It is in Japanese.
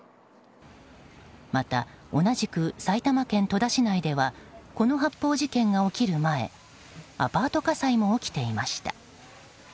また、同じく埼玉県戸田市内ではこの発砲事件が起きる前アパート火災も起きていました。